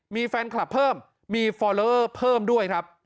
มีแฟนคลับเพิ่มมีฟอลเลอร์เพิ่มด้วยครับ